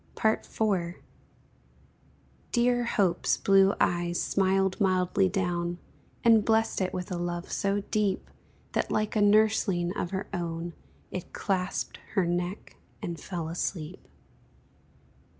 IV. Dear Hope's blue eyes smiled mildly down, And blest it with a love so deep, That, like a nursling of her own, It clasped her neck and fell asleep.